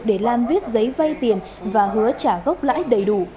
để lan viết giấy vay tiền và hứa trả gốc lãi đầy đủ